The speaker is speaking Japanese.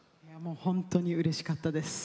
ほんとにうれしかったです。